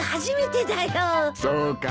そうか？